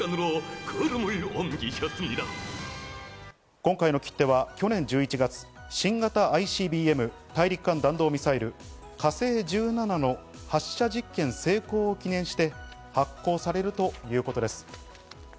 今回の切手は去年１１月、新型ＩＣＢＭ＝大陸間弾道ミサイル「火星１７」の発射実験成功を記念して発行されるということです。